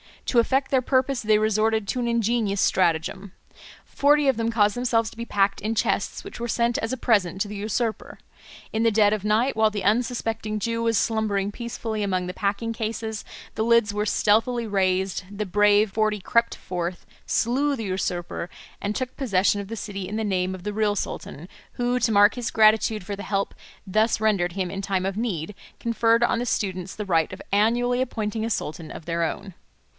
To effect their purpose they resorted to an ingenious stratagem. Forty of them caused themselves to be packed in chests which were sent as a present to the usurper. In the dead of night, while the unsuspecting Jew was slumbering peacefully among the packing cases, the lids were stealthily raised, the brave forty crept forth, slew the usurper, and took possession of the city in the name of the real sultan, who, to mark his gratitude for the help thus rendered him in time of need, conferred on the students the right of annually appointing a sultan of their own.